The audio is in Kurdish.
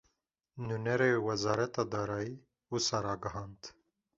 Nûnerê Wezareta Darayî, wisa ragihand